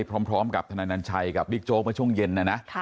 พร้อมกับทนายนันชัยกับบิ๊กโจ๊กเมื่อช่วงเย็นนะนะ